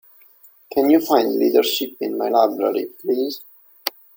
can you find Leadership in my library, please?